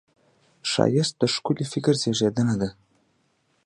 ښایست د ښکلي فکر زېږنده ده